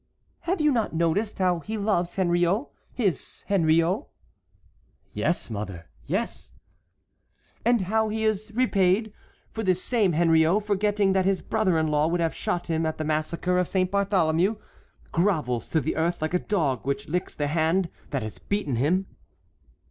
"Have you not noticed how he loves Henriot, his Henriot?" "Yes, mother, yes." "And how he is repaid, for this same Henriot, forgetting that his brother in law would have shot him at the massacre of Saint Bartholomew, grovels to the earth like a dog which licks the hand that has beaten him."